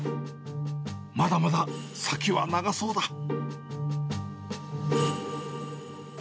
まだまだ先は長そうだ。